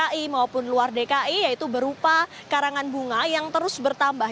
dki maupun luar dki yaitu berupa karangan bunga yang terus bertambah